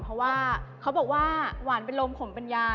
เพราะว่าเขาบอกว่าหวานเป็นลมขมปัญญา